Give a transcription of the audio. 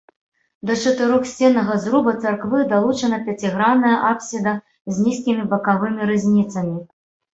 Да чатырохсценнага зруба царквы далучана пяцігранная апсіда з нізкімі бакавымі рызніцамі.